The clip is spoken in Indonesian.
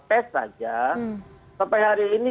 tes saja sampai hari ini